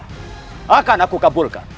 aku akan menanggungmu